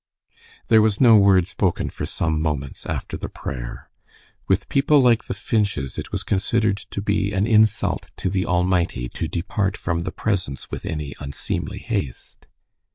There was no word spoken for some moments after the prayer. With people like the Finches it was considered to be an insult to the Almighty to depart from "the Presence" with any unseemly haste.